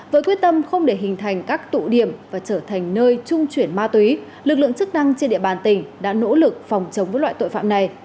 với quyết tâm không để hình thành các tụ điểm và trở thành nơi trung chuyển ma túy lực lượng chức năng trên địa bàn tỉnh đã nỗ lực phòng chống với loại tội phạm này